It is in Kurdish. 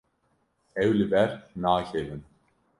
Ew li ber nakevin.